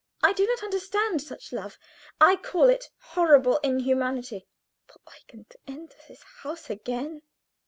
I do not understand such love; I call it horrible inhumanity." "For Eugen to enter this house again!"